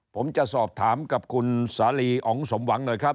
ผมจะสอบถามกับคุณสาลีอ๋องสมหวังหน่อยครับ